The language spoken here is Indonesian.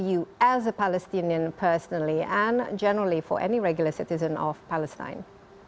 untuk anda sebagai seorang palestina secara pribadi dan secara umum untuk setiap warga regi di palestine